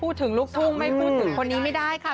ลูกทุ่งไม่พูดถึงคนนี้ไม่ได้ค่ะ